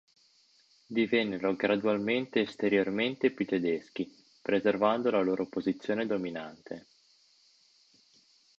Divennero gradualmente esteriormente più tedeschi, preservando la loro posizione dominante.